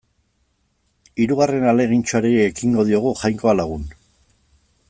Hirugarren ahalegintxoari ekingo diogu, Jainkoa lagun.